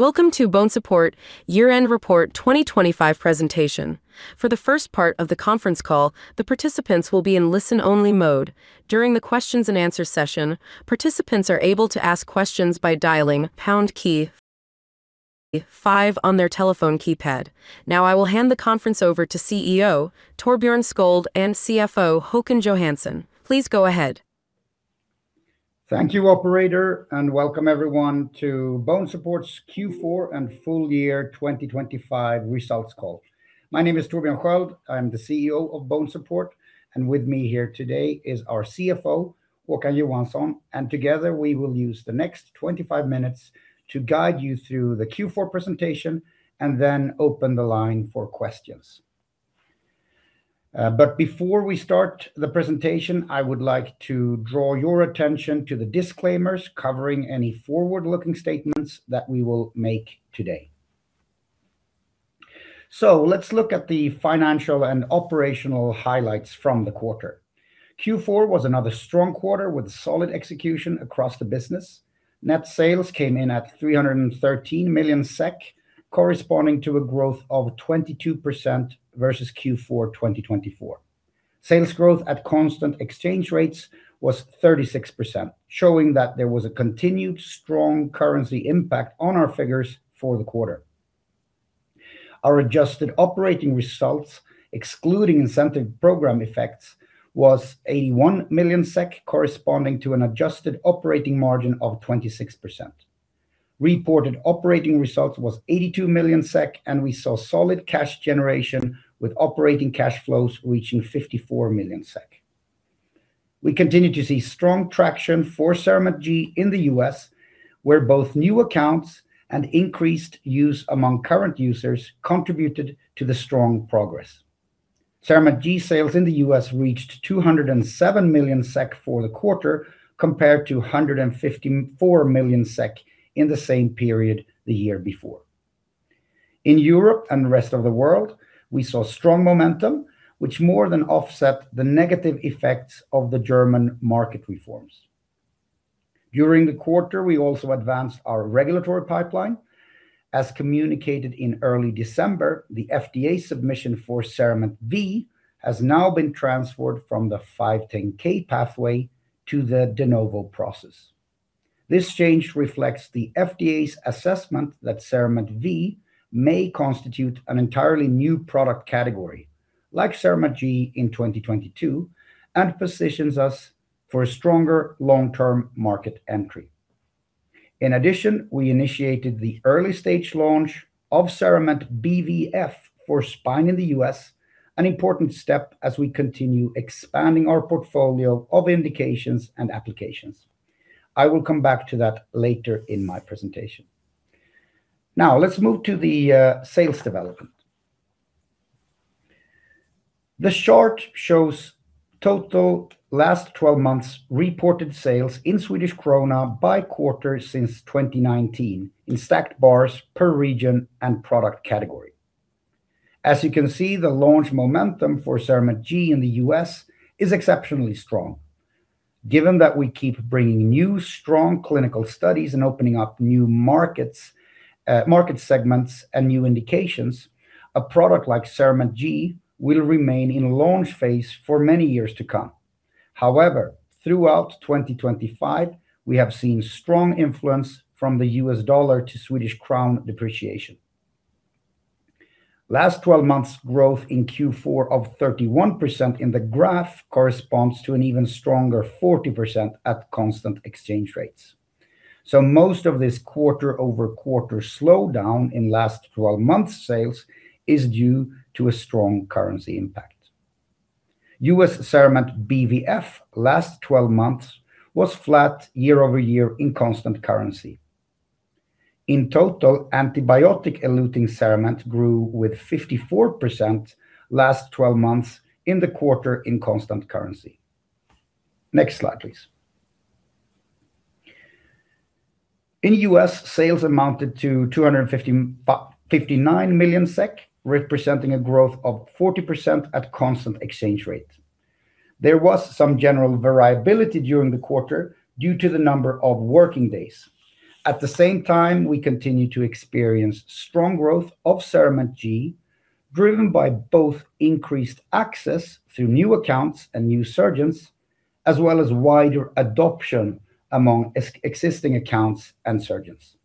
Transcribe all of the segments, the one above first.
Welcome to BONESUPPORT Year-End Report 2025 presentation. For the first part of the conference call, the participants will be in listen-only mode. During the questions and answer session, participants are able to ask questions by dialing pound key five on their telephone keypad. I will hand the conference over to CEO, Torbjörn Sköld; and CFO, Håkan Johansson. Please go ahead. Thank you, operator, and welcome everyone to BONESUPPORT's Q4 and full year 2025 results call. My name is Torbjörn Sköld. I'm the CEO of BONESUPPORT, and with me here today is our CFO, Håkan Johansson, and together we will use the next 25 minutes to guide you through the Q4 presentation and then open the line for questions. Before we start the presentation, I would like to draw your attention to the disclaimers covering any forward-looking statements that we will make today. Let's look at the financial and operational highlights from the quarter. Q4 was another strong quarter with solid execution across the business. Net sales came in at 313 million SEK, corresponding to a growth of 22% versus Q4 2024. Sales growth at constant exchange rates was 36%, showing that there was a continued strong currency impact on our figures for the quarter. Our adjusted operating results, excluding incentive program effects, was 81 million SEK, corresponding to an adjusted operating margin of 26%. Reported operating results was 82 million SEK, and we saw solid cash generation, with operating cash flows reaching 54 million SEK. We continued to see strong traction for CERAMENT G in the U.S., where both new accounts and increased use among current users contributed to the strong progress. CERAMENT G sales in the U.S. reached 207 million SEK for the quarter, compared to 154 million SEK in the same period the year before. In Europe and the rest of the world, we saw strong momentum, which more than offset the negative effects of the German market reforms. During the quarter, we also advanced our regulatory pipeline. As communicated in early December, the FDA submission for CERAMENT V has now been transferred from the 510(k) pathway to the De Novo process. This change reflects the FDA's assessment that CERAMENT V may constitute an entirely new product category, like CERAMENT G in 2022, and positions us for a stronger long-term market entry. In addition, we initiated the early stage launch of CERAMENT BVF for spine in the U.S., an important step as we continue expanding our portfolio of indications and applications. I will come back to that later in my presentation. Let's move to the sales development. The chart shows total last 12 months reported sales in Swedish krona by quarter since 2019, in stacked bars per region and product category. As you can see, the launch momentum for CERAMENT G in the U.S. is exceptionally strong. Given that we keep bringing new, strong clinical studies and opening up new markets, market segments and new indications, a product like CERAMENT G will remain in launch phase for many years to come. However, throughout 2025, we have seen strong influence from the U.S. dollar to Swedish krona depreciation. Last 12 months, growth in Q4 of 31% in the graph corresponds to an even stronger 40% at constant exchange rates. Most of this quarter-over-quarter slowdown in last 12 months sales is due to a strong currency impact. U.S. CERAMENT BVF last 12 months was flat year-over-year in constant currency. In total, antibiotic-eluting CERAMENT grew with 54% last 12 months in the quarter in constant currency. Next slide, please. In the U.S., sales amounted to 259 million SEK, representing a growth of 40% at constant exchange rate. There was some general variability during the quarter due to the number of working days. At the same time, we continued to experience strong growth of CERAMENT G, driven by both increased access through new accounts and new surgeons, as well as wider adoption among existing accounts and surgeons.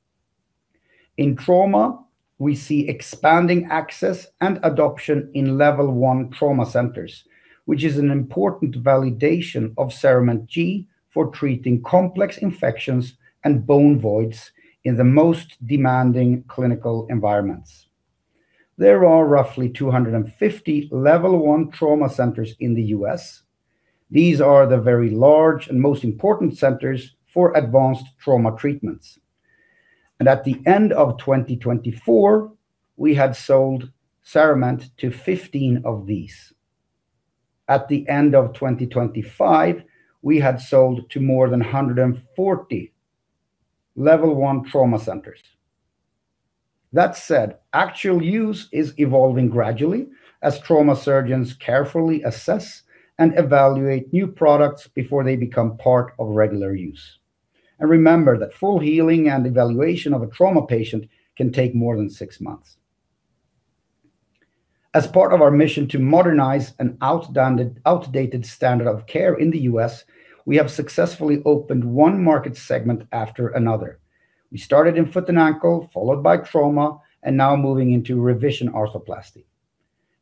In trauma, we see expanding access and adoption in Level I Trauma Centers, which is an important validation of CERAMENT G for treating complex infections and bone voids in the most demanding clinical environments. There are roughly 250 Level I Trauma Centers in the U.S. These are the very large and most important centers for advanced trauma treatments. At the end of 2024, we had sold CERAMENT to 15 of these. At the end of 2025, we had sold to more than 140 Level I Trauma Centers. That said, actual use is evolving gradually as trauma surgeons carefully assess and evaluate new products before they become part of regular use. Remember that full healing and evaluation of a trauma patient can take more than six months. As part of our mission to modernize an outdated standard of care in the U.S., we have successfully opened one market segment after another. We started in foot and ankle, followed by trauma, and now moving into revision arthroplasty.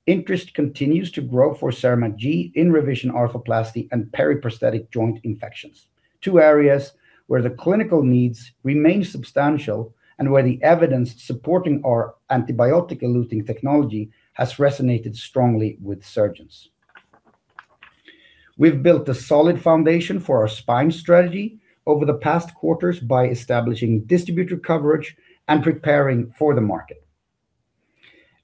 Interest continues to grow for CERAMENT G in revision arthroplasty and periprosthetic joint infections, two areas where the clinical needs remain substantial and where the evidence supporting our antibiotic-eluting technology has resonated strongly with surgeons. We've built a solid foundation for our spine strategy over the past quarters by establishing distributor coverage and preparing for the market.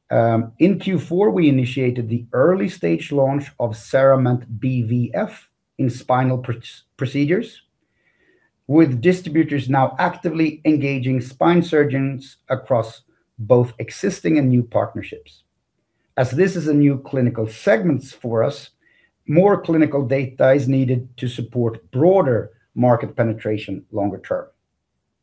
In Q4, we initiated the early-stage launch of CERAMENT BVF in spinal procedures, with distributors now actively engaging spine surgeons across both existing and new partnerships. As this is a new clinical segments for us, more clinical data is needed to support broader market penetration longer term.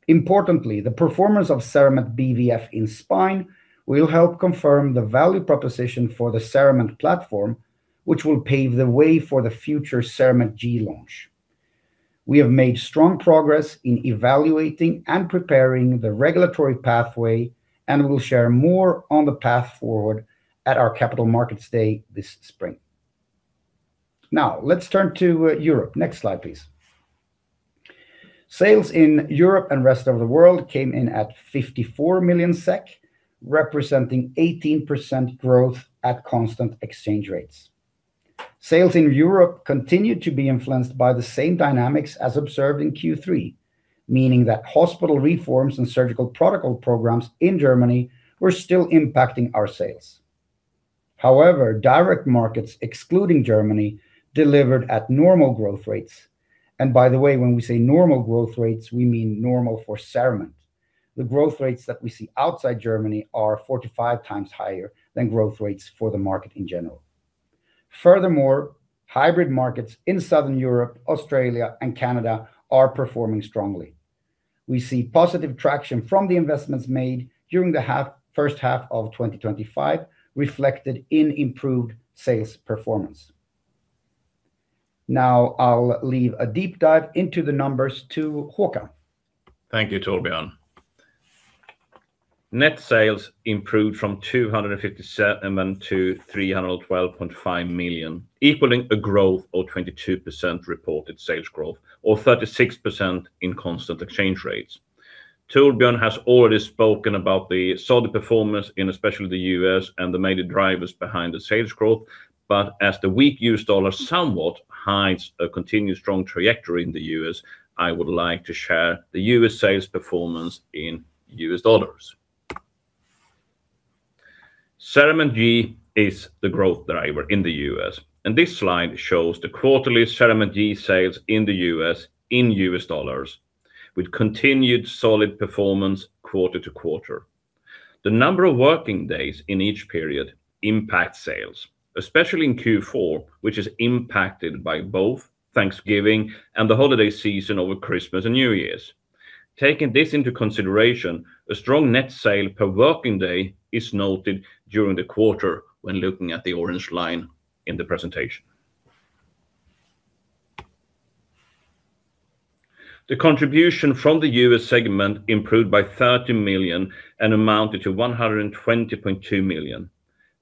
Importantly, the performance of CERAMENT BVF in spine will help confirm the value proposition for the CERAMENT platform, which will pave the way for the future CERAMENT G launch. We have made strong progress in evaluating and preparing the regulatory pathway, and we'll share more on the path forward at our Capital Markets Day this spring. Now, let's turn to Europe. Next slide, please. Sales in Europe and rest of the world came in at 54 million SEK, representing 18% growth at constant exchange rates. Sales in Europe continued to be influenced by the same dynamics as observed in Q3, meaning that hospital reforms and surgical protocol programs in Germany were still impacting our sales. Direct markets, excluding Germany, delivered at normal growth rates. By the way, when we say normal growth rates, we mean normal for CERAMENT. The growth rates that we see outside Germany are 4x-5x higher than growth rates for the market in general. Hybrid markets in Southern Europe, Australia, and Canada are performing strongly. We see positive traction from the investments made during the first half of 2025, reflected in improved sales performance. I'll leave a deep dive into the numbers to Håkan. Thank you, Torbjörn. Net sales improved from 257 million-312.5 million, equaling a growth of 22% reported sales growth, or 36% in constant exchange rates. Torbjörn has already spoken about the solid performance in especially the U.S. and the major drivers behind the sales growth. As the weak U.S. dollar somewhat hides a continued strong trajectory in the U.S., I would like to share the U.S. sales performance in U.S. dollars. CERAMENT G is the growth driver in the U.S., this slide shows the quarterly CERAMENT G sales in the U.S. in U.S. dollars, with continued solid performance quarter to quarter. The number of working days in each period impact sales, especially in Q4, which is impacted by both Thanksgiving and the holiday season over Christmas and New Year's. Taking this into consideration, a strong net sale per working day is noted during the quarter when looking at the orange line in the presentation. The contribution from the U.S. segment improved by $30 million and amounted to $120.2 million.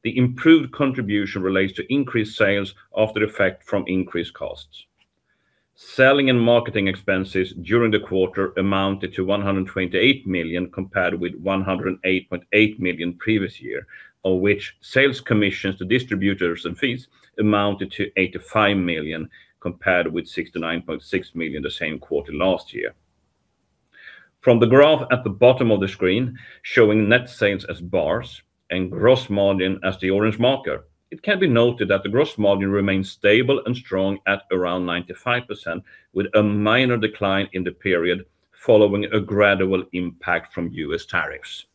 The improved contribution relates to increased sales after effect from increased costs. Selling and marketing expenses during the quarter amounted to 128 million, compared with 108.8 million previous year, of which sales commissions to distributors and fees amounted to 85 million, compared with 69.6 million the same quarter last year. From the graph at the bottom of the screen, showing net sales as bars and gross margin as the orange marker, it can be noted that the gross margin remains stable and strong at around 95%, with a minor decline in the period following a gradual impact from U.S. tariffs.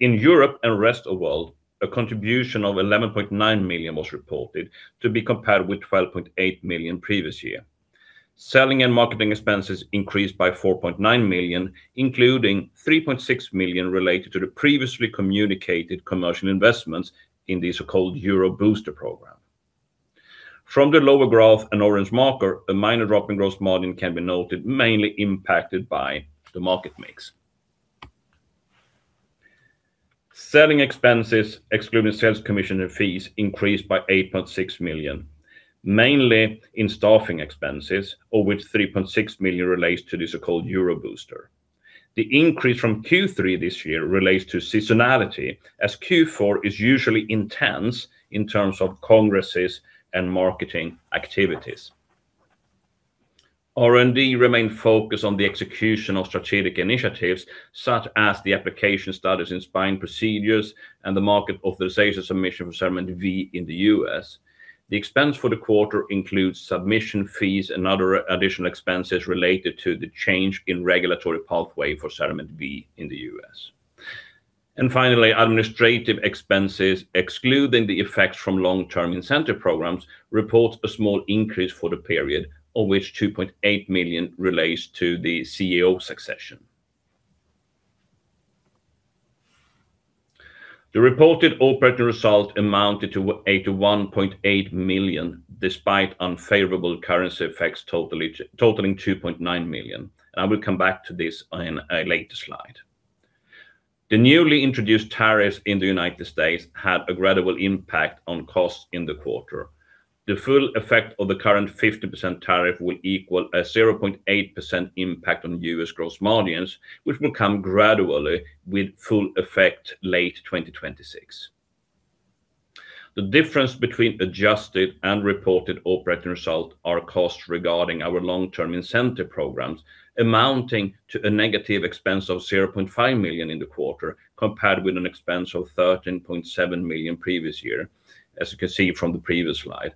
In Europe and rest of world, a contribution of 11.9 million was reported, to be compared with 12.8 million previous year. Selling and marketing expenses increased by 4.9 million, including 3.6 million related to the previously communicated commercial investments in the so-called Euro Booster Program. From the lower graph and orange marker, a minor drop in gross margin can be noted, mainly impacted by the market mix. Selling expenses, excluding sales commission and fees, increased by 8.6 million, mainly in staffing expenses, of which 3.6 million relates to the so-called Euro Booster. The increase from Q3 this year relates to seasonality, as Q4 is usually intense in terms of congresses and marketing activities. R&D remained focused on the execution of strategic initiatives, such as the application status in spine procedures and the market authorization submission for CERAMENT V in the U.S. The expense for the quarter includes submission fees and other additional expenses related to the change in regulatory pathway for CERAMENT V in the U.S. Finally, administrative expenses, excluding the effects from long-term incentive programs, reports a small increase for the period, of which 2.8 million relates to the CEO succession. The reported operating result amounted to 81.8 million, despite unfavorable currency effects totaling 2.9 million. I will come back to this in a later slide. The newly introduced tariffs in the United States had a gradual impact on costs in the quarter. The full effect of the current 50% tariff will equal a 0.8% impact on U.S. gross margins, which will come gradually with full effect late 2026. The difference between adjusted and reported operating result are costs regarding our long-term incentive programs, amounting to a negative expense of 0.5 million in the quarter, compared with an expense of 13.7 million previous year, as you can see from the previous slide.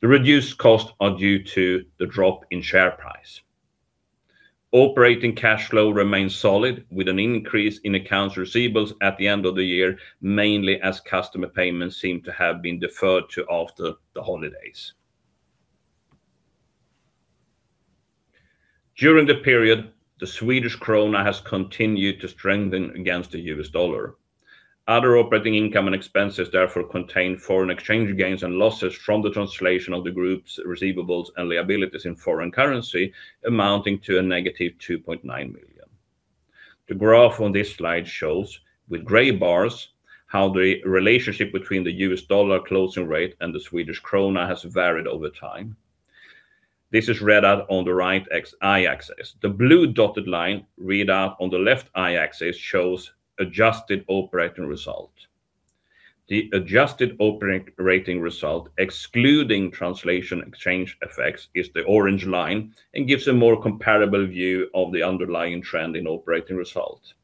The reduced costs are due to the drop in share price. Operating cash flow remains solid, with an increase in accounts receivables at the end of the year, mainly as customer payments seem to have been deferred to after the holidays. During the period, the Swedish krona has continued to strengthen against the U.S. dollar. Other operating income and expenses therefore contain foreign exchange gains and losses from the translation of the group's receivables and liabilities in foreign currency, amounting to a negative 2.9 million. The graph on this slide shows, with gray bars, how the relationship between the U.S. dollar closing rate and the Swedish krona has varied over time. This is read out on the right Y-axis. The blue dotted line, read out on the left Y-axis, shows adjusted operating result. The adjusted operating result, excluding translation exchange effects, is the orange line and gives a more comparable view of the underlying trend in operating results.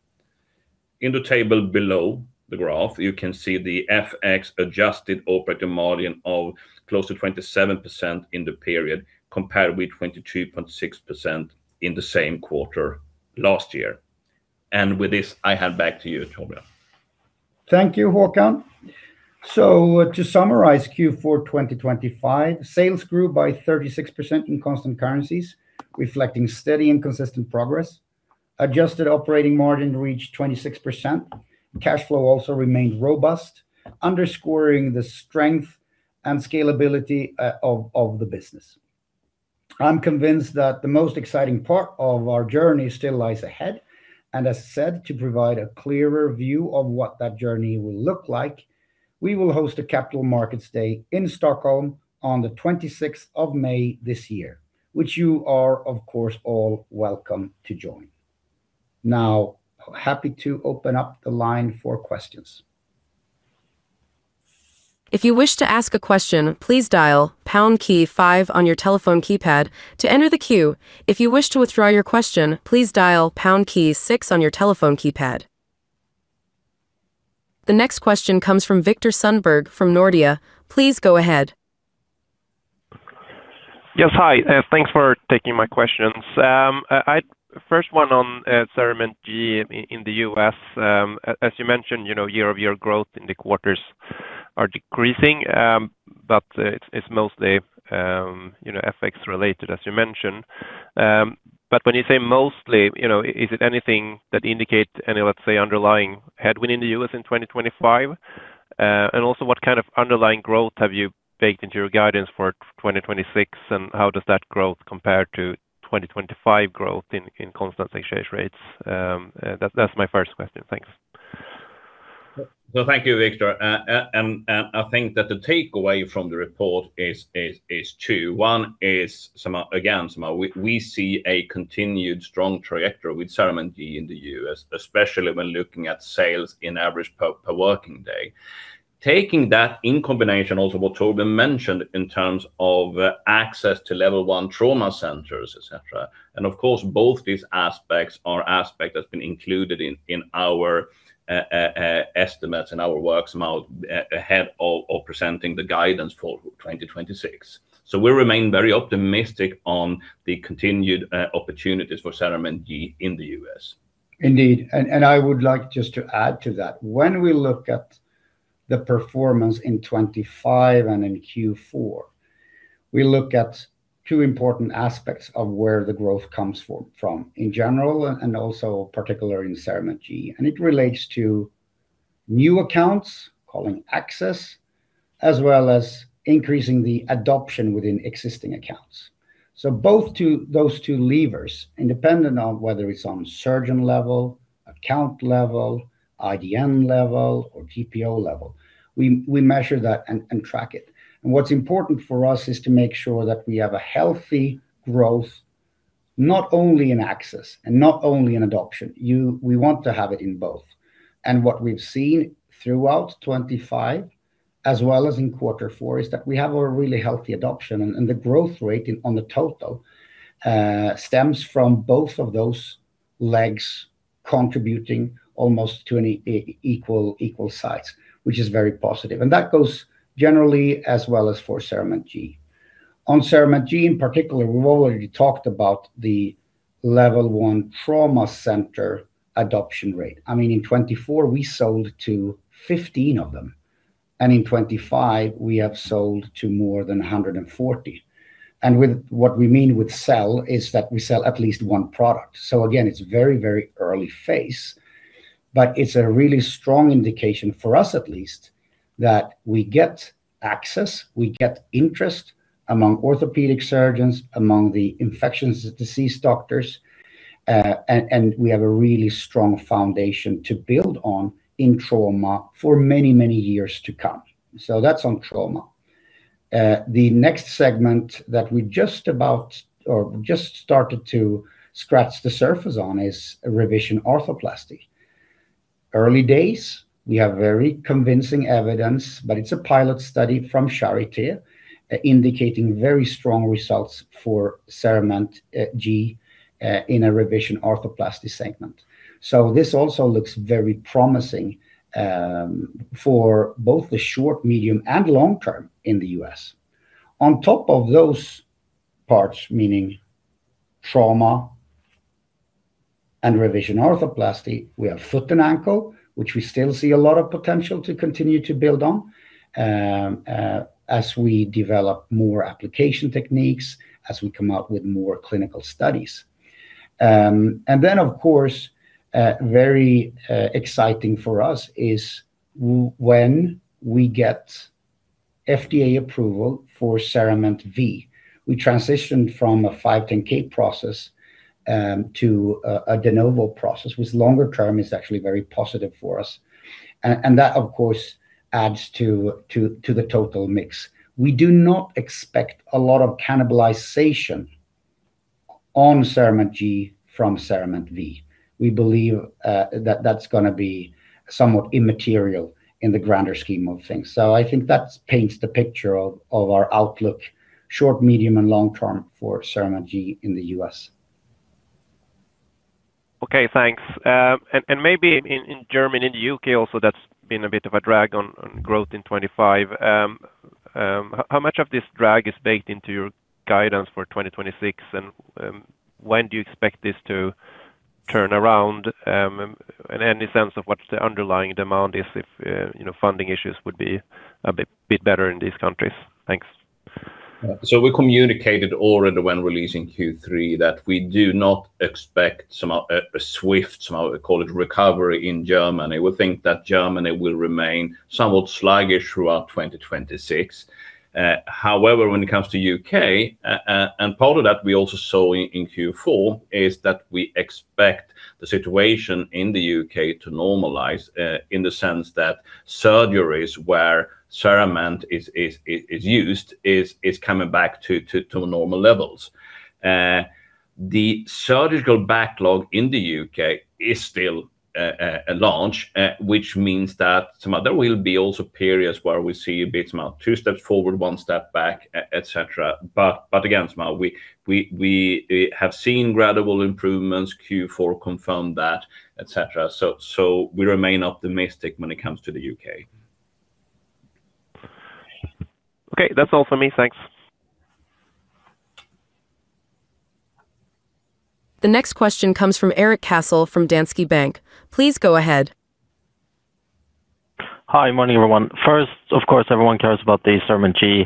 In the table below the graph, you can see the FX-adjusted operating margin of close to 27% in the period, compared with 22.6% in the same quarter last year. With this, I hand back to you, Torbjörn. Thank you, Håkan. To summarize Q4, 2025, sales grew by 36% in constant currencies, reflecting steady and consistent progress. Adjusted operating margin reached 26%. Cash flow also remained robust, underscoring the strength and scalability of the business. I'm convinced that the most exciting part of our journey still lies ahead, and as said, to provide a clearer view of what that journey will look like, we will host a Capital Markets Day in Stockholm on the 26th of May this year, which you are, of course, all welcome to join. Happy to open up the line for questions. If you wish to ask a question, please dial pound key five on your telephone keypad to enter the queue. If you wish to withdraw your question, please dial pound key six on your telephone keypad. The next question comes from Viktor Sundberg from Nordea. Please go ahead. Yes, hi, thanks for taking my questions. First one on CERAMENT G in the U.S. As you mentioned, you know, year-over-year growth in the quarters are decreasing, it's mostly, you know, FX related, as you mentioned. When you say mostly, you know, is it anything that indicate any, let's say, underlying headwind in the U.S. in 2025? What kind of underlying growth have you baked into your guidance for 2026, and how does that growth compare to 2025 growth in constant exchange rates? That's my first question. Thanks. Thank you, Viktor. And I think that the takeaway from the report is two. One is again, we see a continued strong trajectory with CERAMENT G in the U.S., especially when looking at sales in average per working day. Taking that in combination, also what Torbjörn mentioned in terms of access to Level I Trauma Center, et cetera. And of course, both these aspects are aspects that have been included in our estimates and our work somewhat ahead of presenting the guidance for 2026. So we remain very optimistic on the continued opportunities for CERAMENT G in the U.S Indeed, I would like just to add to that. When we look at the performance in 25 and in Q4, we look at two important aspects of where the growth comes from in general, and also particular in CERAMENT G. It relates to new accounts, calling access, as well as increasing the adoption within existing accounts. Those two levers, independent on whether it's on surgeon level, account level, IDN level, or GPO level, we measure that and track it. What's important for us is to make sure that we have a healthy growth, not only in access and not only in adoption, we want to have it in both. What we've seen throughout 2025, as well as in Q4, is that we have a really healthy adoption, and the growth rate in on the total stems from both of those legs contributing almost to an equal size, which is very positive. That goes generally as well as for CERAMENT G. On CERAMENT G, in particular, we've already talked about the Level I Trauma Center adoption rate. I mean, in 2024, we sold to 15 of them, and in 2025, we have sold to more than 140. What we mean with sell is that we sell at least one product. Again, it's very, very early phase, but it's a really strong indication for us at least, that we get access, we get interest among orthopedic surgeons, among the infectious disease doctors, and we have a really strong foundation to build on in trauma for many, many years to come. That's on trauma. The next segment that we just started to scratch the surface on is revision arthroplasty. Early days, we have very convincing evidence, but it's a pilot study from Charité, indicating very strong results for CERAMENT G, in a revision arthroplasty segment. This also looks very promising, for both the short, medium, and long term in the U.S. On top of those parts, meaning trauma and revision arthroplasty, we have foot and ankle, which we still see a lot of potential to continue to build on, as we develop more application techniques, as we come up with more clinical studies. Then, of course, very exciting for us is when we get FDA approval for CERAMENT V. We transitioned from a 510(k) process to a De Novo process, which longer term is actually very positive for us. That, of course, adds to the total mix. We do not expect a lot of cannibalization on CERAMENT G from CERAMENT V. We believe that that's gonna be somewhat immaterial in the grander scheme of things. I think that paints the picture of our outlook, short, medium, and long term for CERAMENT G in the U.S. Okay, thanks. Maybe in Germany and the U.K. also, that's been a bit of a drag on growth in 25. How much of this drag is baked into your guidance for 2026? When do you expect this to turn around? Any sense of what the underlying demand is if, you know, funding issues would be a bit better in these countries? Thanks. We communicated already when releasing Q3, that we do not expect a swift, call it recovery in Germany. We think that Germany will remain somewhat sluggish throughout 2026. However, when it comes to U.K., and part of that, we also saw in Q4, is that we expect the situation in the U.K. to normalize in the sense that surgeries where CERAMENT is used, is coming back to normal levels. The surgical backlog in the U.K. is still a launch, which means that some other will be also periods where we see a bit about two steps forward, one step back, et cetera. Again, now, we have seen gradual improvements, Q4 confirmed that, et cetera. We remain optimistic when it comes to the U.K. Okay, that's all for me. Thanks. The next question comes from Erik Cassel, from Danske Bank. Please go ahead. Hi, morning, everyone. First, of course, everyone cares about the CERAMENT G,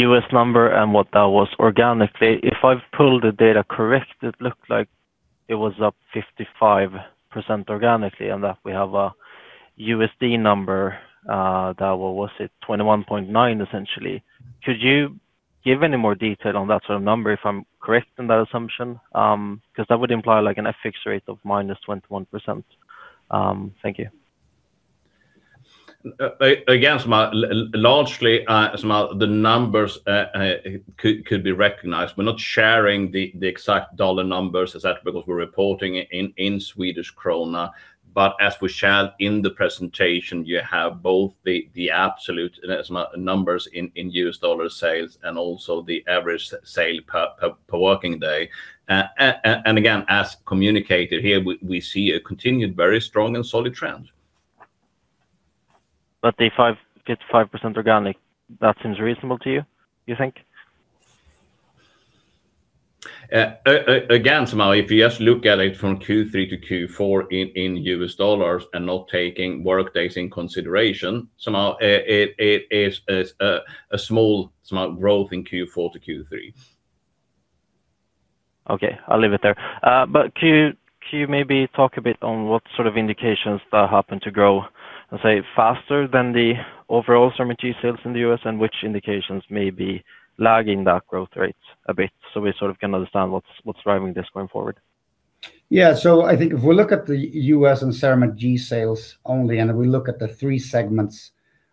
U.S. number and what that was organically. If I've pulled the data correct, it looked like it was up 55% organically, and that we have a USD number that was $21.9, essentially. Could you give any more detail on that sort of number, if I'm correct in that assumption? Because that would imply like an FX rate of -21%. Thank you. Again, largely, some of the numbers could be recognized. We're not sharing the exact dollar numbers as that because we're reporting in Swedish krona. But as we shared in the presentation, you have both the absolute, as much numbers in U.S. dollar sales and also the average sale per working day. And again, as communicated here, we see a continued very strong and solid trend. The 55% organic, that seems reasonable to you think? Again, somehow, if you just look at it from Q3 to Q4 in U.S. dollars and not taking work days in consideration, somehow, it is a small smart growth in Q4 to Q3. Okay, I'll leave it there. Can you maybe talk a bit on what sort of indications that happen to grow, and say, faster than the overall CERAMENT G sales in the U.S., and which indications may be lagging that growth rate a bit, so we sort of can understand what's driving this going forward? Yeah. I think if we look at the U.S. and CERAMENT G sales only, and we look at the three segments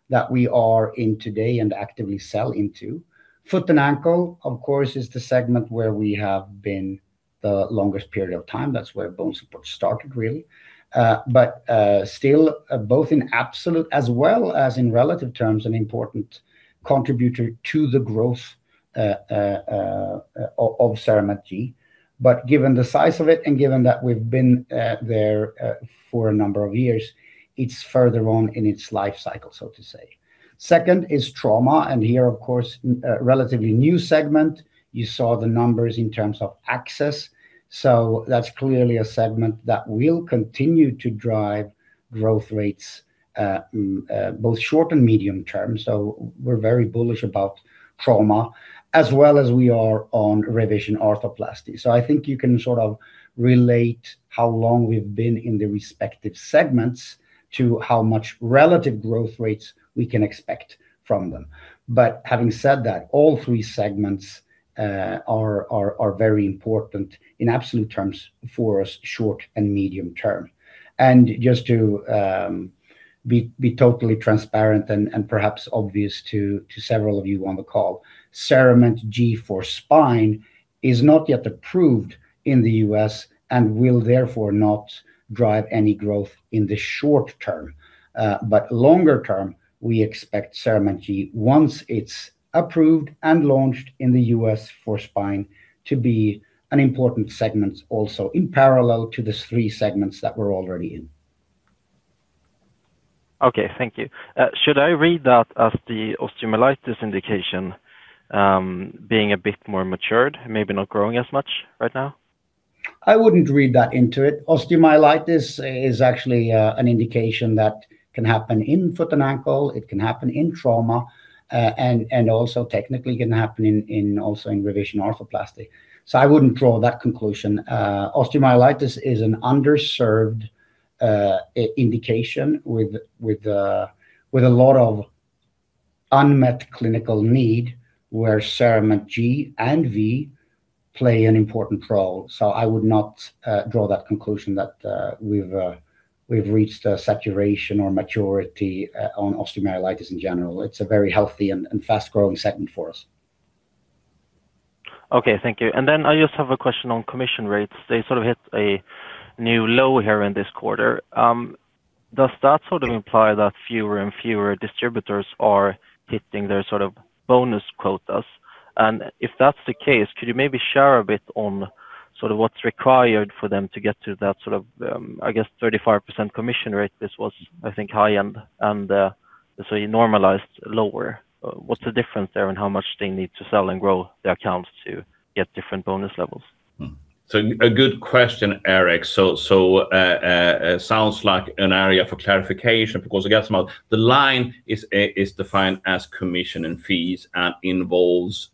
that we are in today and actively sell into, foot and ankle, of course, is the segment where we have been the longest period of time, that's where BONESUPPORT started, really. Still, both in absolute as well as in relative terms, an important contributor to the growth of CERAMENT G. Given the size of it, and given that we've been there for a number of years, it's further on in its life cycle, so to say. Second is trauma, and here, of course, relatively new segment. You saw the numbers in terms of access, so that's clearly a segment that will continue to drive growth rates both short and medium term. We're very bullish about trauma, as well as we are on revision arthroplasty. I think you can sort of relate how long we've been in the respective segments to how much relative growth rates we can expect from them. Having said that, all three segments are very important in absolute terms for us, short and medium term. Just to be totally transparent and perhaps obvious to several of you on the call, CERAMENT G for spine is not yet approved in the U.S., and will therefore not drive any growth in the short term. Longer term, we expect CERAMENT G, once it's approved and launched in the U.S. for spine, to be an important segment also in parallel to these three segments that we're already in. Okay, thank you. Should I read that as the osteomyelitis indication being a bit more matured, maybe not growing as much right now? I wouldn't read that into it. Osteomyelitis is actually an indication that can happen in foot and ankle, it can happen in trauma, and also technically can happen in also in revision arthroplasty, so I wouldn't draw that conclusion. Osteomyelitis is an underserved indication with, with a lot of unmet clinical need, where CERAMENT G and V play an important role. I would not draw that conclusion that we've reached a saturation or maturity on osteomyelitis in general. It's a very healthy and fast-growing segment for us. Okay, thank you. I just have a question on commission rates. They sort of hit a new low here in this quarter. Does that sort of imply that fewer and fewer distributors are hitting their sort of bonus quotas? If that's the case, could you maybe share a bit on sort of what's required for them to get to that sort of, I guess, 35% commission rate? This was, I think, high-end, and so you normalized lower. What's the difference there, and how much they need to sell and grow their accounts to get different bonus levels? A good question, Erik. Sounds like an area for clarification, because I guess about the line is defined as commission and fees and involves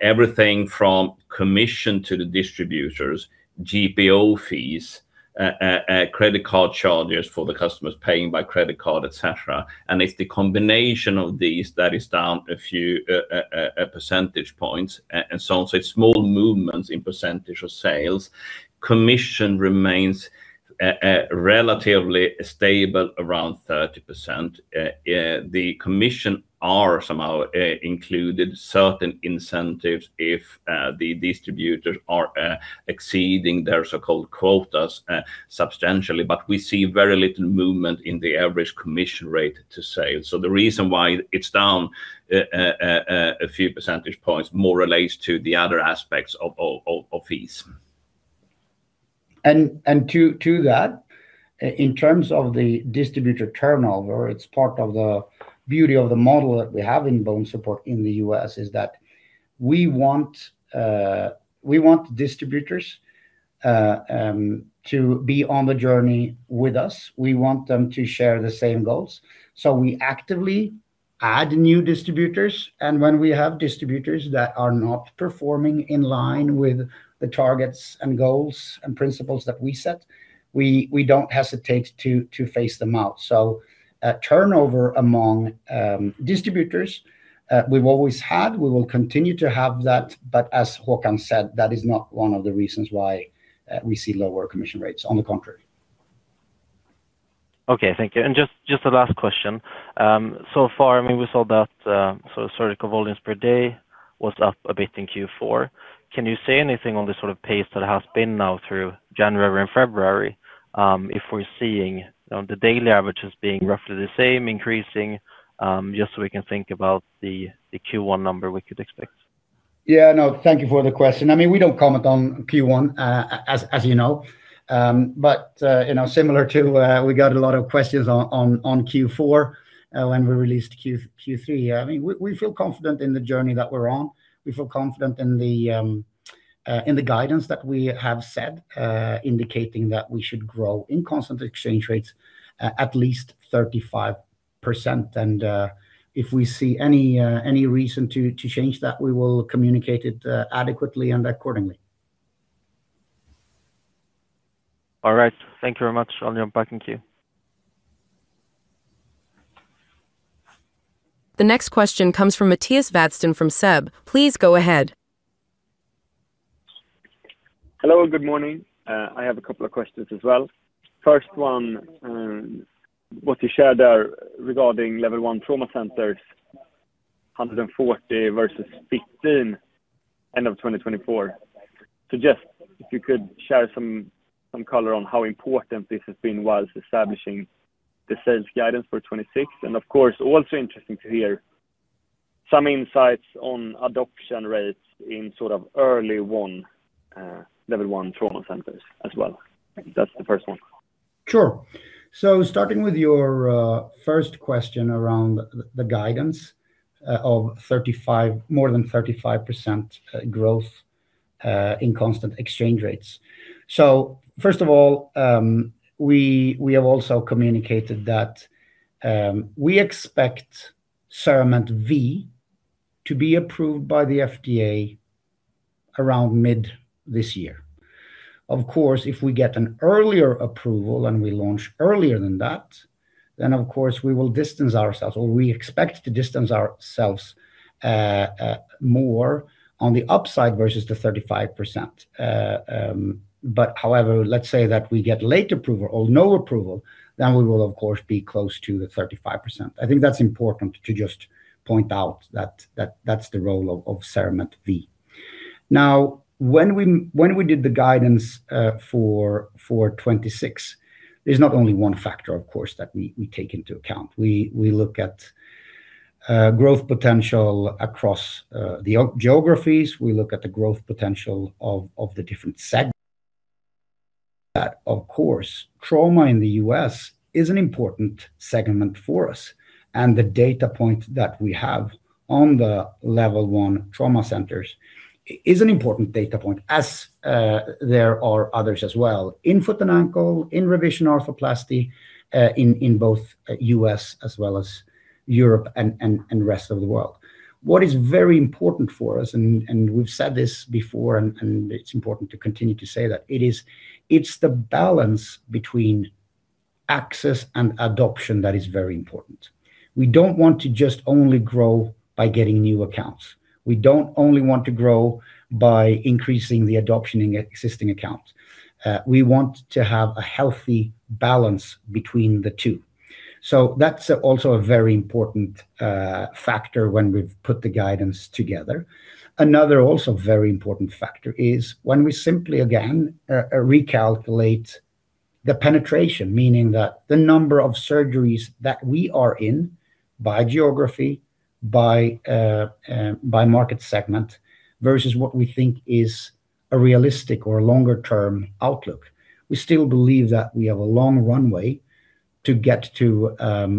everything from commission to the distributors, GPO fees, credit card charges for the customers paying by credit card, et cetera. It's the combination of these that is down a few percentage points, it's small movements in percentage of sales. Commission remains relatively stable, around 30%. The commission are somehow included certain incentives if the distributors are exceeding their so-called quotas substantially. We see very little movement in the average commission rate to sale. The reason why it's down a few percentage points, more relates to the other aspects of fees. To that, in terms of the distributor turnover, it's part of the beauty of the model that we have in BONESUPPORT in the U.S, is that we want we want distributors to be on the journey with us. We want them to share the same goals. We actively add new distributors, and when we have distributors that are not performing in line with the targets and goals and principles that we set, we don't hesitate to phase them out. Turnover among distributors we've always had, we will continue to have that, but as Håkan said, that is not one of the reasons why we see lower commission rates. On the contrary. Okay, thank you. Just the last question. So far, I mean, we saw that surgical volumes per day was up a bit in Q4. Can you say anything on the sort of pace that has been now through January and February? If we're seeing the daily averages being roughly the same, increasing, just so we can think about the Q1 number we could expect. Yeah, no, thank you for the question. I mean, we don't comment on Q1, as you know. You know, similar to, we got a lot of questions on Q4, when we released Q3. I mean, we feel confident in the journey that we're on. We feel confident in the guidance that we have set, indicating that we should grow in constant exchange rates at least 35%. If we see any reason to change that, we will communicate it adequately and accordingly. All right. Thank you very much. I'll jump back in queue. The next question comes from Mattias Vadsten from SEB. Please go ahead. Hello, good morning. I have a couple of questions as well. First one, what you shared there regarding Level I Trauma Center. 140 versus 15, end of 2024. Just if you could share some color on how important this has been while establishing the sales guidance for 2026, and of course, also interesting to hear some insights on adoption rates in sort of early Level I Trauma Center as well. That's the first one. Sure. Starting with your first question around the guidance of 35, more than 35% growth in constant exchange rates. First of all, we have also communicated that we expect CERAMENT V to be approved by the FDA around mid this year. Of course, if we get an earlier approval and we launch earlier than that, then of course, we will distance ourselves, or we expect to distance ourselves, more on the upside versus the 35%. But however, let's say that we get late approval or no approval, then we will of course, be close to the 35%. I think that's important to just point out that that's the role of CERAMENT V. Now, when we, when we did the guidance for 2026, there's not only one factor, of course, that we take into account. We, we look at growth potential across the geographies. We look at the growth potential of the different segments that of course, trauma in the U.S. is an important segment for us, and the data point that we have on the Level I Trauma Center is an important data point as there are others as well in foot and ankle, in revision arthroplasty, in both U.S. as well as Europe and rest of the world. What is very important for us, and we've said this before, and it's important to continue to say that, it's the balance between access and adoption that is very important. We don't want to just only grow by getting new accounts. We don't only want to grow by increasing the adoption in existing accounts. We want to have a healthy balance between the two. That's also a very important factor when we've put the guidance together. Another also very important factor is when we simply, again, recalculate the penetration, meaning that the number of surgeries that we are in by geography, by market segment, versus what we think is a realistic or longer term outlook. We still believe that we have a long runway to get to,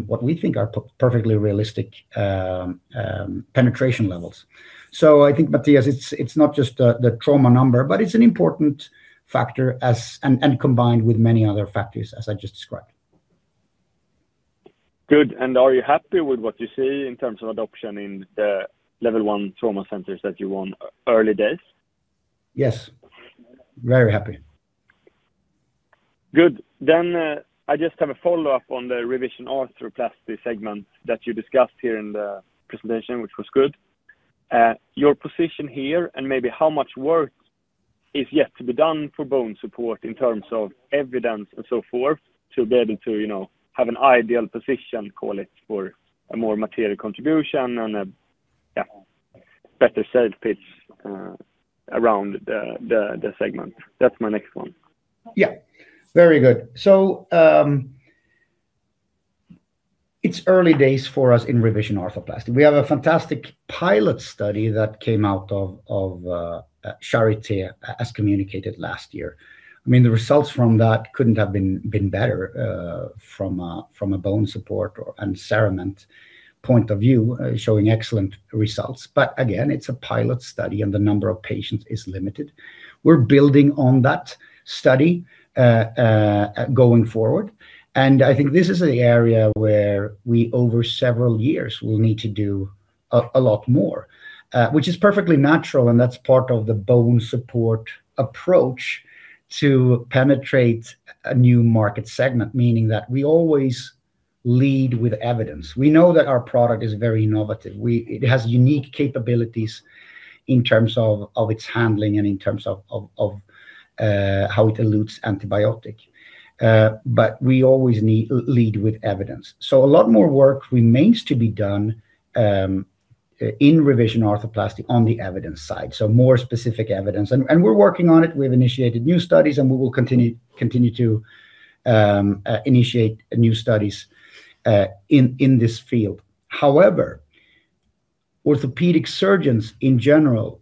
what we think are perfectly realistic penetration levels. I think, Mattias, it's not just the trauma number, but it's an important factor as and combined with many other factors, as I just described. Good. Are you happy with what you see in terms of adoption in the Level I Trauma Center that you want early days? Yes, very happy. Good. I just have a follow-up on the revision arthroplasty segment that you discussed here in the presentation, which was good. Your position here and maybe how much work is yet to be done for BONESUPPORT in terms of evidence and so forth, to be able to, you know, have an ideal position, call it, for a more material contribution and a, yeah, better sales pitch around the segment. That's my next one. Yeah, very good. It's early days for us in revision arthroplasty. We have a fantastic pilot study that came out of Charité, as communicated last year. I mean, the results from that couldn't have been better from a BONESUPPORT or, and CERAMENT point of view, showing excellent results. Again, it's a pilot study, and the number of patients is limited. We're building on that study, going forward, and I think this is the area where we, over several years, will need to do a lot more, which is perfectly natural, and that's part of the BONESUPPORT approach to penetrate a new market segment, meaning that we always lead with evidence. We know that our product is very innovative. It has unique capabilities in terms of its handling and in terms of, of, how it elutes antibiotic. But we always lead with evidence. A lot more work remains to be done in revision arthroplasty on the evidence side. More specific evidence. We're working on it. We've initiated new studies, and we will continue to initiate new studies in this field. However, orthopedic surgeons, in general,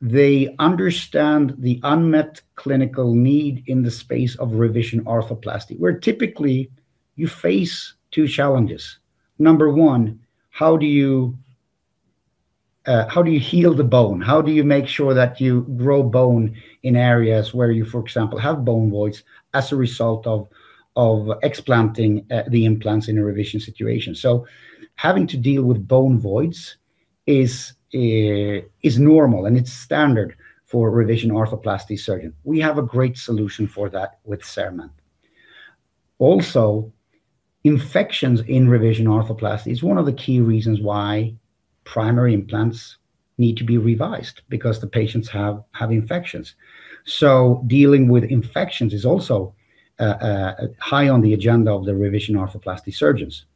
they understand the unmet clinical need in the space of revision arthroplasty, where typically you face two challenges. Number one, how do you heal the bone? How do you make sure that you grow bone in areas where you, for example, have bone voids as a result of explanting the implants in a revision situation? Having to deal with bone voids is normal, and it's standard for a revision arthroplasty surgeon. We have a great solution for that with CERAMENT. Infections in revision arthroplasty is one of the key reasons why primary implants need to be revised because the patients have infections. Dealing with infections is also high on the agenda of the revision arthroplasty surgeons.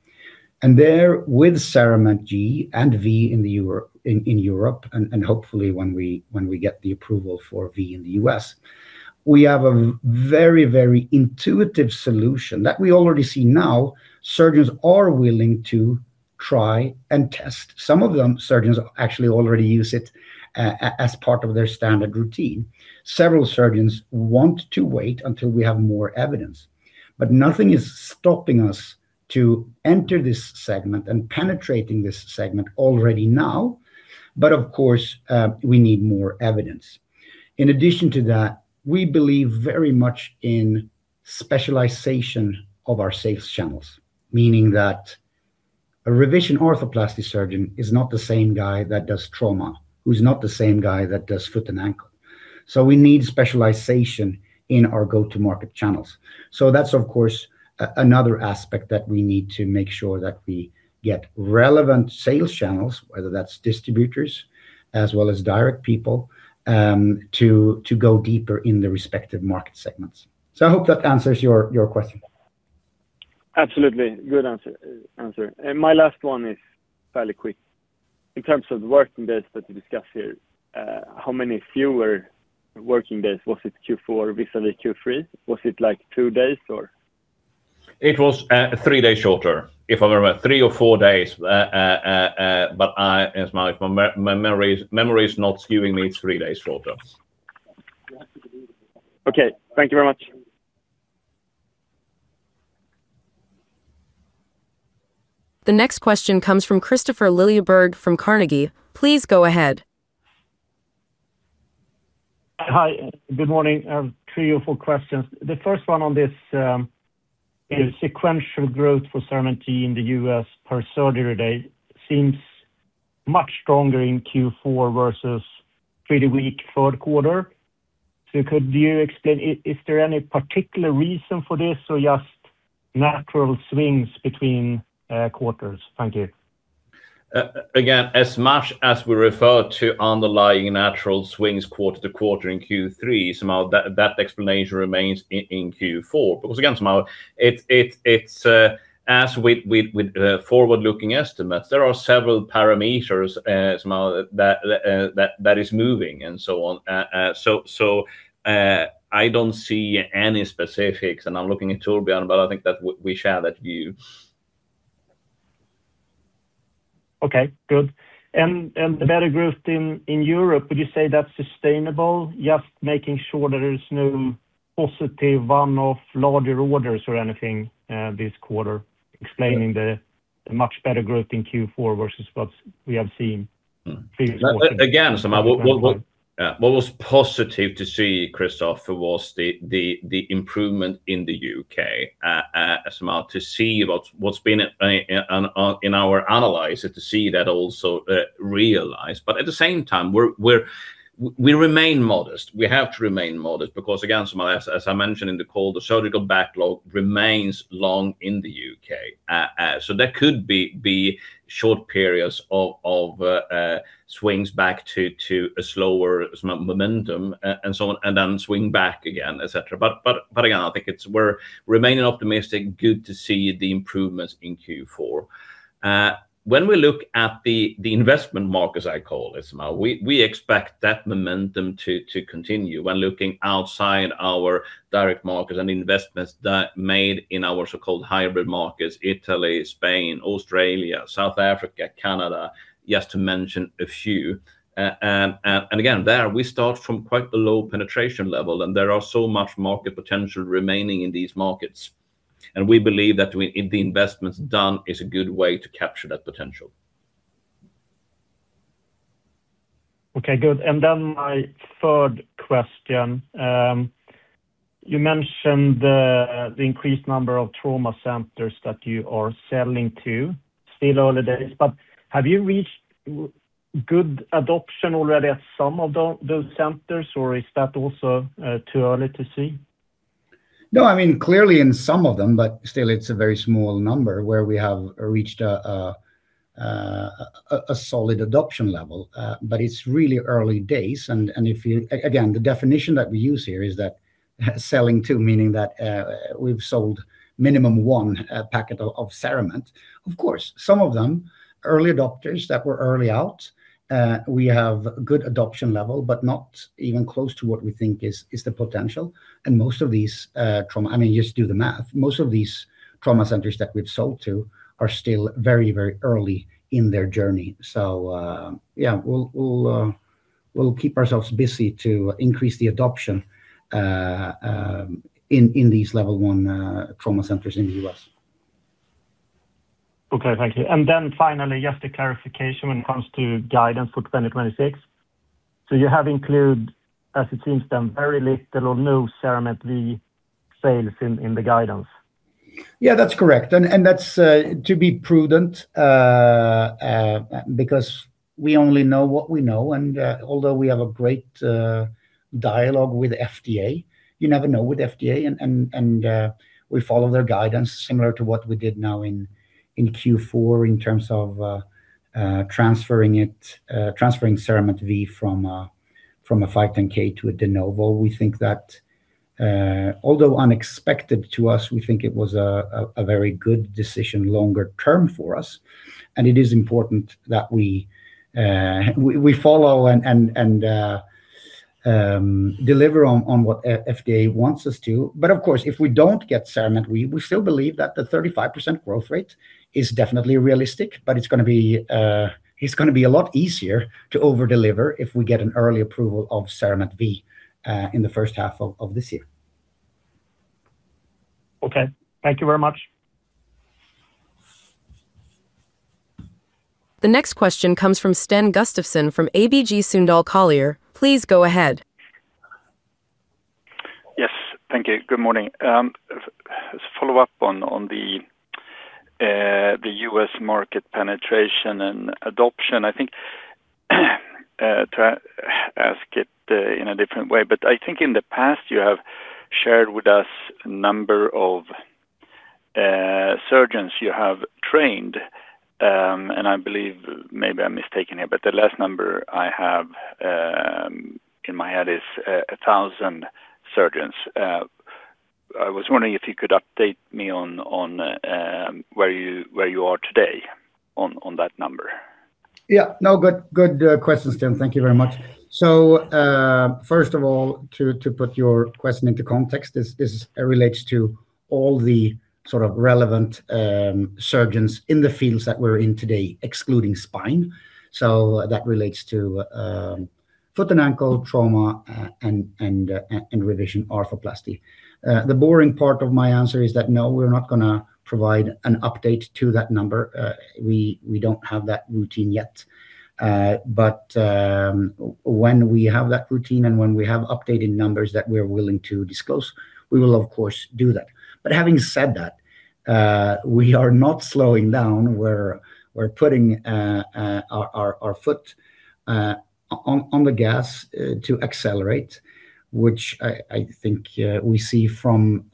There, with CERAMENT G and V in Europe, and hopefully when we get the approval for V in the U.S., we have a very, very intuitive solution that we already see now, surgeons are willing to try and test. Some of them, surgeons actually already use it as part of their standard routine. Several surgeons want to wait until we have more evidence, but nothing is stopping us to enter this segment and penetrating this segment already now. Of course, we need more evidence. In addition to that, we believe very much in specialization of our sales channels, meaning that a revision arthroplasty surgeon is not the same guy that does trauma, who's not the same guy that does foot and ankle. We need specialization in our go-to-market channels. That's, of course, another aspect that we need to make sure that we get relevant sales channels, whether that's distributors as well as direct people, to go deeper in the respective market segments. I hope that answers your question. Absolutely. Good answer. My last one is fairly quick. In terms of working days that you discussed here, how many fewer working days was it Q4 vis-à-vis Q3? Was it like two days or? It was, three days shorter, if I remember. Three or days days, but I, as my memory is not skewing me, it's three days shorter. Okay, thank you very much. The next question comes from Kristoffer Liljeberg from Carnegie. Please go ahead. Hi, good morning. I have three or four questions. The first one on this, is sequential growth for CERAMENT in the U.S. per surgery day seems much stronger in Q4 versus pretty weak third quarter. Could you explain, is there any particular reason for this or just natural swings between quarters? Thank you. Again, as much as we refer to underlying natural swings quarter to quarter in Q3, somehow, that explanation remains in Q4. Again, somehow, it's, it's as with forward-looking estimates, there are several parameters, somehow, that is moving and so on. I don't see any specifics, and I'm looking at Torbjörn, but I think that we share that view. Okay, good. The better growth in Europe, would you say that's sustainable? Just making sure that there is no positive one-off larger orders or anything this quarter, explaining the much better growth in Q4 versus what we have seen previously. Again, somehow, what was positive to see, Kristoffer, was the improvement in the U.K., somehow, to see what's been in our analysis, to see that also realized. At the same time, we remain modest. We have to remain modest, because, again, somehow, as I mentioned in the call, the surgical backlog remains long in the U.K. So there could be short periods of swings back to a slower momentum and so on, and then swing back again, et cetera. Again, I think we're remaining optimistic, good to see the improvements in Q4. When we look at the investment markets, I call it, somehow, we expect that momentum to continue. When looking outside our direct markets and investments that made in our so-called hybrid markets, Italy, Spain, Australia, South Africa, Canada, just to mention a few. Again, there, we start from quite a low penetration level, and there are so much market potential remaining in these markets. We believe that the investments done is a good way to capture that potential. Okay, good. Then my third question. You mentioned the increased number of trauma centers that you are selling to. Still early days, but have you reached good adoption already at some of those centers, or is that also too early to see? I mean, clearly in some of them, but still it's a very small number where we have reached a solid adoption level. It's really early days, and if you again, the definition that we use here is that selling to, meaning that we've sold minimum one packet of CERAMENT. Of course, some of them, early adopters that were early out, we have good adoption level, but not even close to what we think is the potential. I mean, just do the math. Most of these trauma centers that we've sold to are still very early in their journey. We'll keep ourselves busy to increase the adoption in these Level I trauma centers in the U.S. Okay, thank you. Finally, just a clarification when it comes to guidance for 2026. You have included, as it seems, then very little or no CERAMENT V sales in the guidance. Yeah, that's correct. That's to be prudent because we only know what we know, and although we have a great dialogue with FDA, you never know with FDA. We follow their guidance, similar to what we did now in Q4, in terms of transferring it, transferring CERAMENT V from a from a 510(k) to a De Novo. We think that although unexpected to us, we think it was a very good decision longer term for us. It is important that we follow and deliver on what FDA wants us to. Of course, if we don't get CERAMENT, we still believe that the 35% growth rate is definitely realistic, but it's gonna be a lot easier to over-deliver if we get an early approval of CERAMENT BVF in the first half of this year. Okay. Thank you very much. The next question comes from Sten Gustafsson from ABG Sundal Collier. Please go ahead. Yes, thank you. Good morning. As a follow-up on the U.S. market penetration and adoption, I think to ask it in a different way. I think in the past, you have shared with us a number of surgeons you have trained. I believe, maybe I'm mistaken here, but the last number I have in my head is 1,000 surgeons. I was wondering if you could update me on where you, where you are today on that number? Yeah. No, good question, Sten. Thank you very much. First of all, to put your question into context, this relates to all the sort of relevant surgeons in the fields that we're in today, excluding spine. That relates to foot and ankle, trauma, and revision arthroplasty. The boring part of my answer is that, no, we're not gonna provide an update to that number. We don't have that routine yet. When we have that routine, and when we have updated numbers that we're willing to disclose, we will, of course, do that. Having said that, we are not slowing down. We're putting our foot on the gas to accelerate, which I think we see from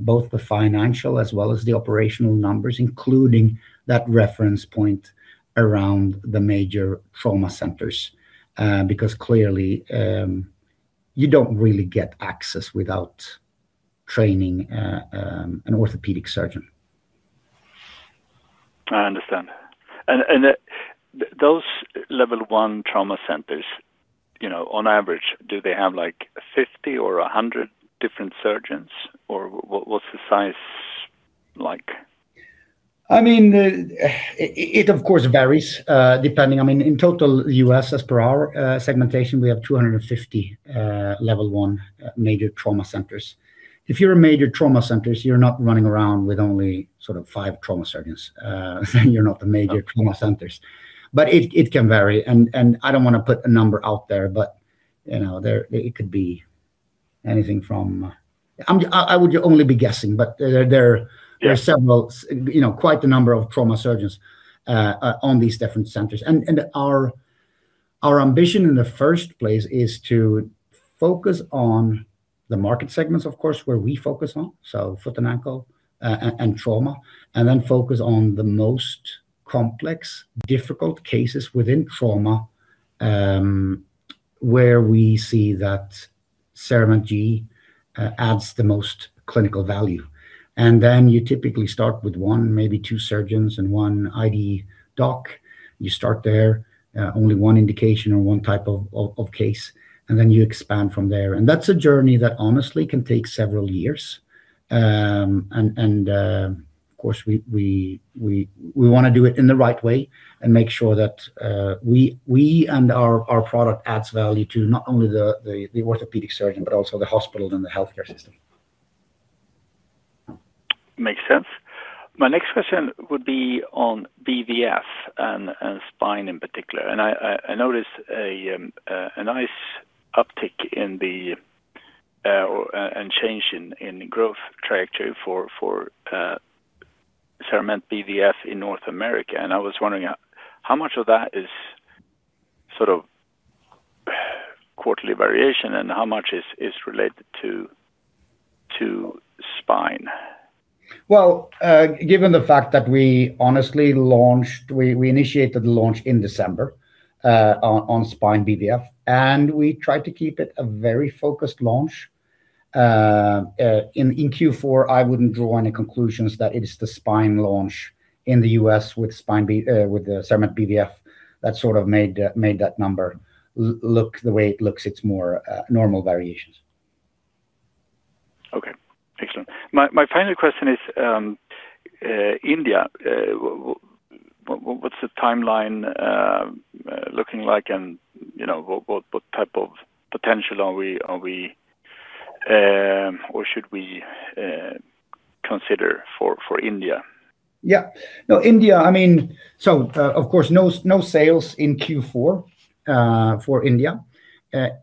both the financial as well as the operational numbers, including that reference point around the major trauma centers. Because clearly, you don't really get access without training an orthopedic surgeon. I understand. those Level I Trauma Center, you know, on average, do they have, like, 50 or 100 different surgeons, or what's the size like? I mean, it, of course, varies, depending, I mean, in total, U.S., as per our segmentation, we have 250 Level I major trauma centers. If you're a major trauma centers, you're not running around with only sort of five trauma surgeons. Then you're not the major trauma centers. It can vary, and I don't wanna put a number out there, but, you know, there, it could be anything I would only be guessing, but, there are several, you know, quite a number of trauma surgeons on these different centers. Our ambition in the first place is to focus on the market segments, of course, where we focus on, so foot and ankle, and trauma, and then focus on the most complex, difficult cases within trauma, where we see that CERAMENT G adds the most clinical value. You typically start with one, maybe two surgeons and one ID doc. You start there, only one indication or one type of case, and then you expand from there. That's a journey that honestly can take several years. Of course, we wanna do it in the right way and make sure that we and our product adds value to not only the orthopedic surgeon, but also the hospital and the healthcare system. Makes sense. My next question would be on BVF and spine in particular. I noticed a nice uptick in the or, and change in growth trajectory for CERAMENT BVF in North America. I was wondering, how much of that is sort of quarterly variation, and how much is related to spine? Well, given the fact that we honestly initiated the launch in December on Spine BVF, and we tried to keep it a very focused launch in Q4, I wouldn't draw any conclusions that it is the spine launch in the U.S. with the CERAMENT BVF, that sort of made that number look the way it looks. It's more normal variations. Okay, excellent. My final question is India, what's the timeline looking like? You know, what type of potential are we or should we consider for India? Yeah. No, India, I mean. Of course, no sales in Q4 for India.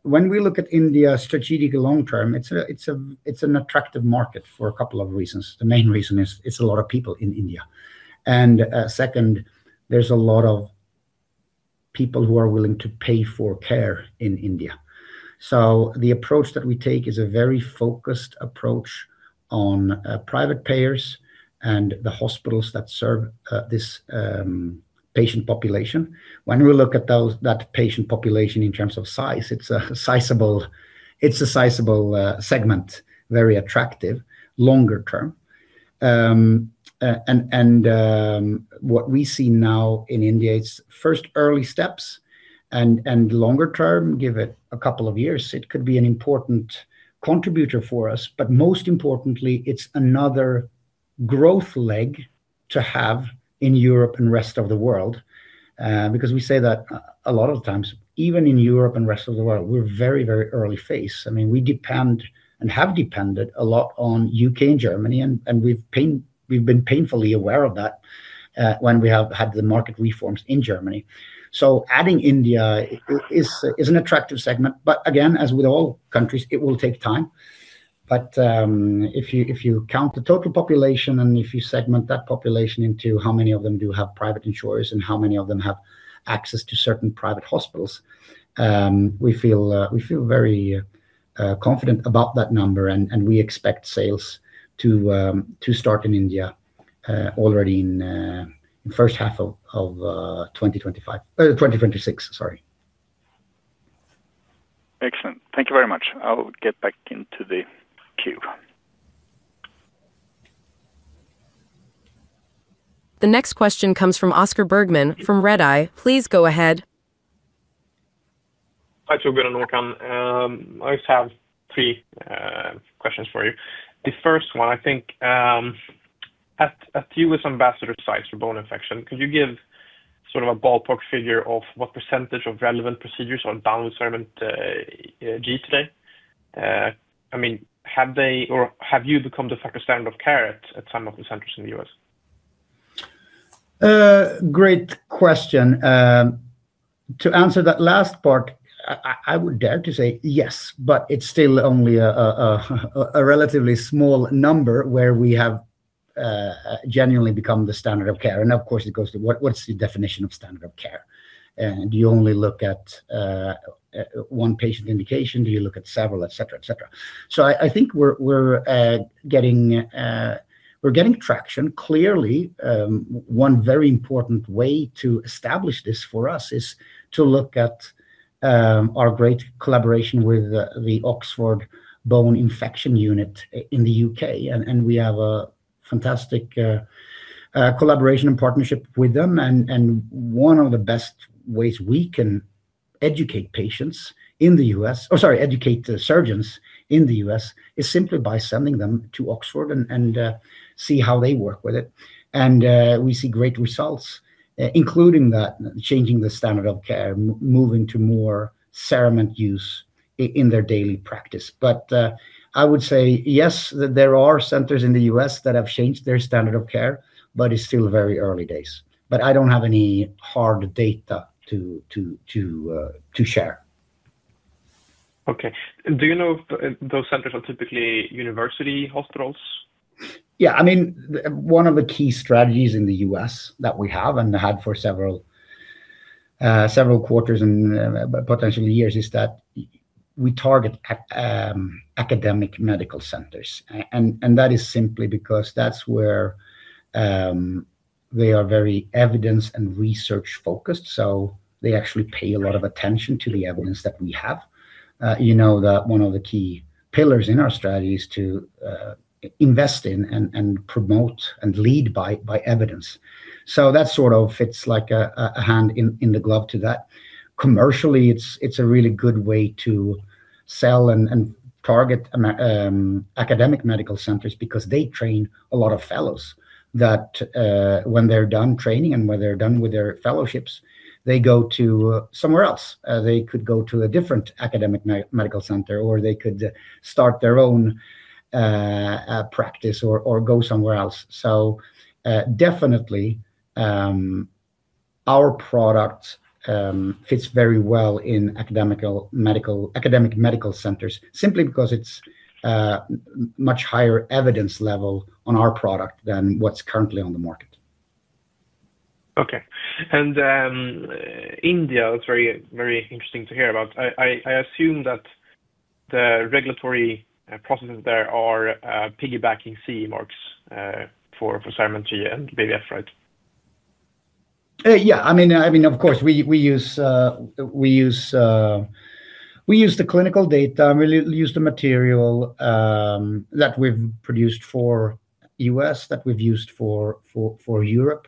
When we look at India strategic long term, it's an attractive market for a couple of reasons. The main reason is it's a lot of people in India. Second, there's a lot of people who are willing to pay for care in India. The approach that we take is a very focused approach on private payers and the hospitals that serve this patient population. When we look at those, that patient population in terms of size, it's a sizable segment, very attractive longer term. What we see now in India, it's first early steps and longer term, give it a couple of years, it could be an important contributor for us. Most importantly, it's another growth leg to have in Europe and rest of the world. Because we say that a lot of times, even in Europe and rest of the world, we're very, very early phase. We depend and have depended a lot on U.K. and Germany, and we've been painfully aware of that when we have had the market reforms in Germany. Adding India is an attractive segment, but again, as with all countries, it will take time. If you count the total population, and if you segment that population into how many of them do have private insurers and how many of them have access to certain private hospitals, we feel very confident about that number, and we expect sales to start in India already in first half of 2026, sorry. Excellent. Thank you very much. I'll get back into the queue. The next question comes from Oscar Bergman, from Redeye. Please go ahead. Hi, Torbjörn and Håkan. I just have three questions for you. The first one, I think, a few with ambassador sites for bone infection, could you give sort of a ballpark figure of what % of relevant procedures on down CERAMENT G today? I mean, have they, or have you become the standard of care at some of the centers in the U.S.? Great question. To answer that last part, I, I would dare to say yes, but it's still only a relatively small number where we have genuinely become the standard of care. Of course, it goes to what's the definition of standard of care? Do you only look at one patient indication? Do you look at several, et cetera, et cetera. I think we're getting traction. Clearly, one very important way to establish this for us is to look at our great collaboration with the Oxford Bone Infection Unit in the U.K., and we have a fantastic collaboration and partnership with them. One of the best ways we can educate patients in the U.S., or sorry, educate the surgeons in the U.S., is simply by sending them to Oxford and see how they work with it. We see great results, including that, changing the standard of care, moving to more CERAMENT use in their daily practice. I would say, yes, there are centers in the U.S. that have changed their standard of care, but it's still very early days. I don't have any hard data to share. Okay. Do you know if those centers are typically university hospitals? Yeah, I mean, one of the key strategies in the U.S. that we have and had for several quarters and potentially years, is that we target academic medical centers. That is simply because that's where they are very evidence and research-focused, so they actually pay a lot of attention to the evidence that we have. You know that one of the key pillars in our strategy is to invest in and promote and lead by evidence. That sort of fits like a hand in the glove to that. Commercially, it's a really good way to sell and target academic medical centers because they train a lot of fellows that when they're done training and when they're done with their fellowships, they go to somewhere else. They could go to a different academic medical center, or they could start their own practice or go somewhere else. Definitely, our product fits very well in academic medical centers, simply because it's much higher evidence level on our product than what's currently on the market. Okay. India, it's very, very interesting to hear about. I assume that the regulatory processes there are piggybacking CE mark for CERAMENT and maybe FDA, right? Yeah, I mean, I mean, of course, we use the clinical data, and we use the material that we've produced for U.S., that we've used for Europe.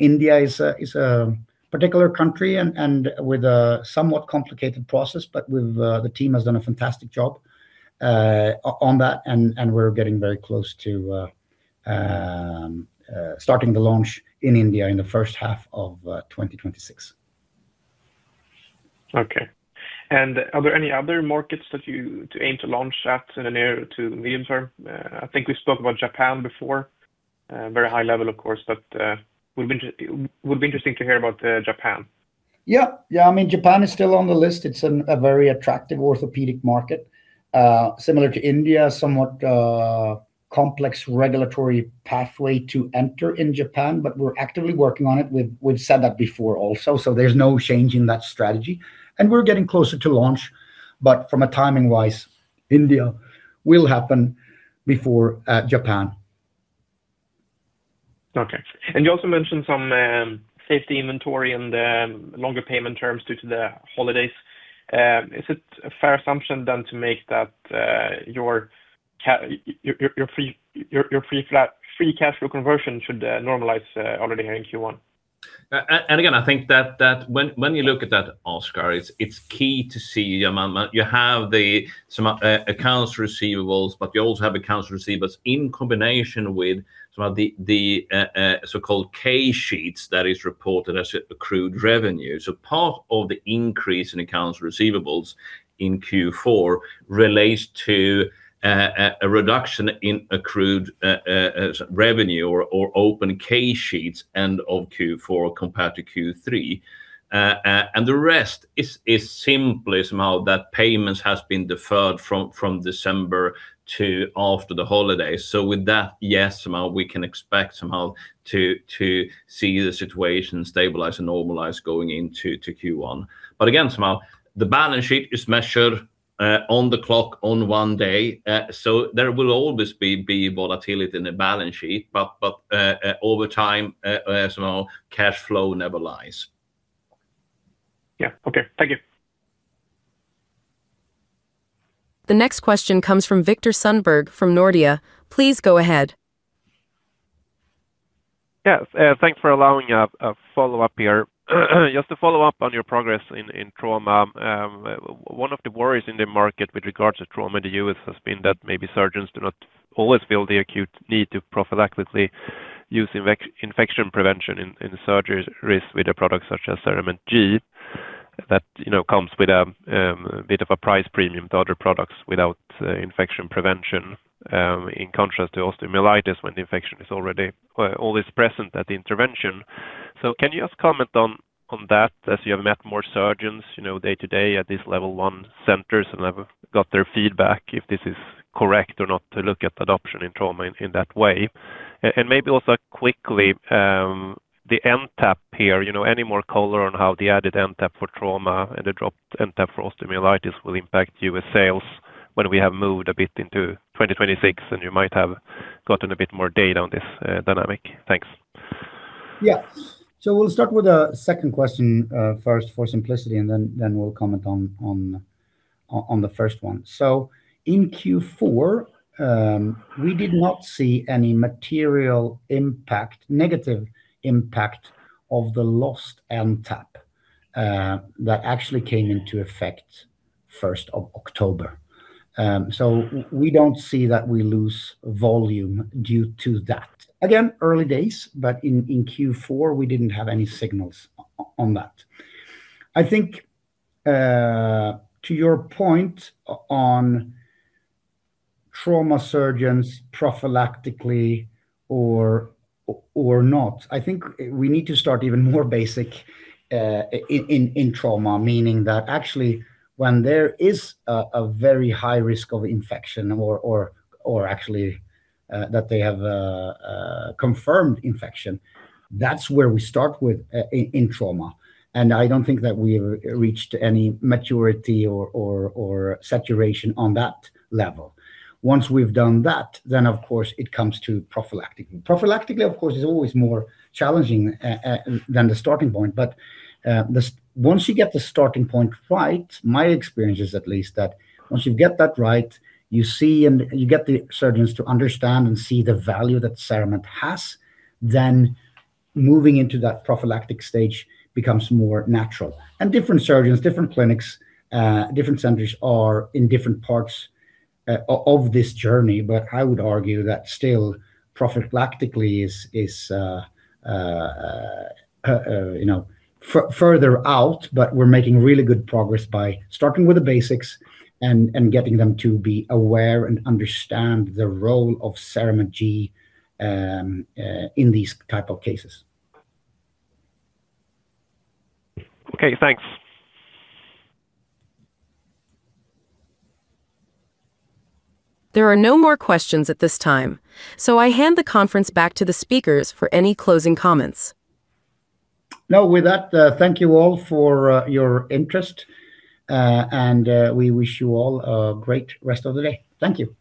India is a particular country and with a somewhat complicated process, but we've the team has done a fantastic job on that, and we're getting very close to starting the launch in India in the first half of 2026. Okay. Are there any other markets that you to aim to launch at in the near to medium term? I think we spoke about Japan before, very high level, of course, but, would be interesting to hear about, Japan. Yeah, yeah. I mean, Japan is still on the list. It's a very attractive orthopedic market. similar to India, somewhat complex regulatory pathway to enter in Japan, but we're actively working on it. We've said that before also, so there's no change in that strategy, and we're getting closer to launch. from a timing-wise, India will happen before Japan. Okay. You also mentioned some safety inventory and longer payment terms due to the holidays. Is it a fair assumption then to make that your free cash flow conversion should normalize already in Q1? Again, I think that when you look at that, Oscar, it's key to see, you have some accounts receivables, but you also have accounts receivables in combination with some of the so-called case sheets that is reported as accrued revenue. Part of the increase in accounts receivables in Q4 relates to a reduction in accrued revenue or open case sheets end of Q4 compared to Q3. The rest is simply somehow that payments has been deferred from December to after the holidays. With that, yes, now we can expect somehow to see the situation stabilize and normalize going into Q1. Again, somehow the balance sheet is measured on the clock on one day. There will always be volatility in the balance sheet, but over time, as well, cash flow never lies. Yeah. Okay. Thank you. The next question comes from Viktor Sundberg, from Nordea. Please go ahead. Yes, thanks for allowing a follow-up here. Just to follow up on your progress in trauma. One of the worries in the market with regards to trauma in the U.S. has been that maybe surgeons do not always feel the acute need to prophylactically use infection prevention in surgery risk with a product such as CERAMENT G, that, you know, comes with a bit of a price premium to other products without infection prevention, in contrast to osteomyelitis, when the infection is already always present at the intervention. Can you just comment on that as you have met more surgeons, you know, day to day at this Level I Trauma Centers and have got their feedback, if this is correct or not, to look at adoption in trauma in that way? Maybe also quickly, the NTAP here, you know, any more color on how the added NTAP for trauma and the drop NTAP for osteomyelitis will impact U.S. sales when we have moved a bit into 2026, and you might have gotten a bit more data on this dynamic? Thanks. Yeah. We'll start with the second question first for simplicity, and then we'll comment on the first one. In Q4, we did not see any material impact, negative impact of the lost NTAP that actually came into effect October 1st. We don't see that we lose volume due to that. Again, early days, but in Q4, we didn't have any signals on that. I think to your point on trauma surgeons, prophylactically or not, I think we need to start even more basic in trauma. Meaning that actually, when there is a very high risk of infection or actually, that they have confirmed infection, that's where we start with in trauma. I don't think that we have reached any maturity or saturation on that level. Once we've done that, then, of course, it comes to prophylactic. Prophylactically, of course, is always more challenging than the starting point, but once you get the starting point right, my experience is at least that once you get that right, you see, and you get the surgeons to understand and see the value that CERAMENT has, then moving into that prophylactic stage becomes more natural. Different surgeons, different clinics, different centers are in different parts of this journey, but I would argue that still prophylactically is, you know, further out, but we're making really good progress by starting with the basics and getting them to be aware and understand the role of CERAMENT G in these type of cases. Okay, thanks. There are no more questions at this time, so I hand the conference back to the speakers for any closing comments. No, with that, thank you all for your interest, and we wish you all a great rest of the day. Thank you.